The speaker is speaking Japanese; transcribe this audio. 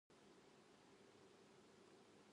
今日のやることリストを作成して、優先順位を決めます。